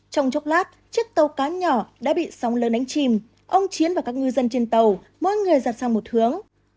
trong chốc lát chiếc tàu cá nhỏ đã bị sóng lớn đánh chìm ông chiến và các ngư dân trên tàu mỗi người giặt sang một hướng